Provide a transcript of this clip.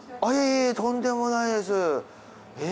いえとんでもないです。